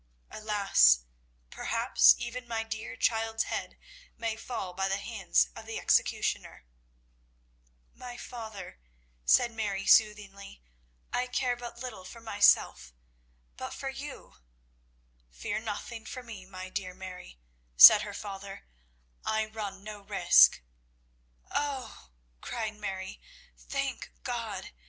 Alas, perhaps even my dear child's head may fall by the hands of the executioner!" "My father," said Mary soothingly, "I care but little for myself. But for you " "Fear nothing for me, my dear Mary," said her father, "I run no risk " "Oh," cried Mary, "thank God!